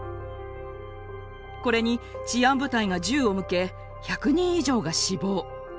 これに治安部隊が銃を向け１００人以上が死亡。